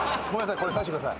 これ返してください。